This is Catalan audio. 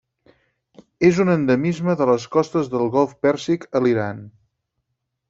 És un endemisme de les costes del golf Pèrsic a l'Iran.